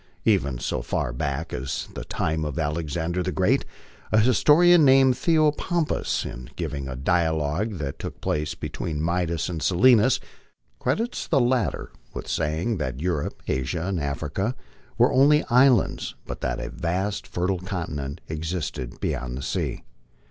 Even so far back as the time of Alexander the Great, a historian named Theopompus, in giving a dialogue that took place between Midas and Silenus, credits the latter with saying that Europe, Asia, and Africa were only islands, but that a vast fer tile continent existed beyond the sea.